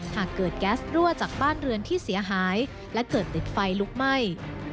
หากเกิดแก๊สรั่วจากบ้านเรือนที่เสียหายและเกิดติดไฟลุกไหม้